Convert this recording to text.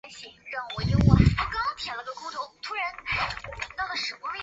丹尼斯海峡是连结波罗的海和北海之间的诸海峡之总称。